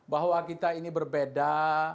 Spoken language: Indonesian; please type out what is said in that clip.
bahwa kita ini berbeda